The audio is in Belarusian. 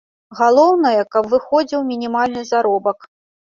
Галоўнае, каб выходзіў мінімальны заробак.